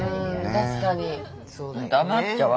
確かに。